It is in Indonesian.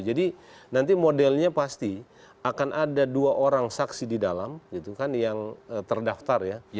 jadi nanti modelnya pasti akan ada dua orang saksi di dalam gitu kan yang terdaftar ya